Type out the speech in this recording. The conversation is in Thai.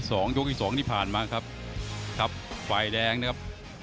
แล้วก็อีกสองที่ผ่านมาครับฝ่ายแดงนะครับ